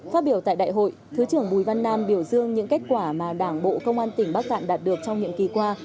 phát biểu tại đại hội thứ trưởng bùi văn nam biểu dương những kết quả mà đảng bộ công an tỉnh bắc cạn đạt được trong nhiệm kỳ qua